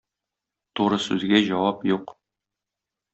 Туры сүзгә җавап юк.